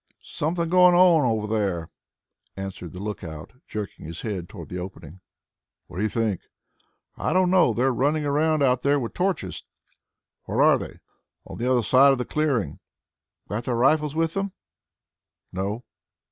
"Something going on over there," answered the lookout, jerking his head toward the opening. "What do you think?" "I don't know. They're running around out there with torches." "Where are they?" "On the other side of the clearing." "Got their rifles with them?" "No."